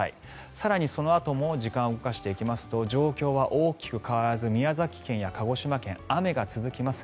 更に、そのあとも時間を動かしていきますと状況は大きく変わらず宮崎県や鹿児島県雨が続きます。